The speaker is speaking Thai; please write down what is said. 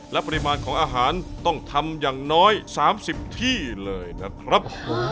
และปริมาณของอาหารต้องทำอย่างน้อย๓๐ที่เลยนะครับ